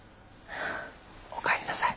おかえりなさい。